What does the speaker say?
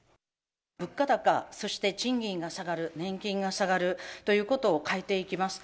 物価高、そして賃金が下がる、年金が下がるということを変えていきます。